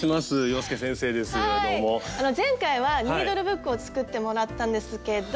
前回は「ニードルブック」を作ってもらったんですけど。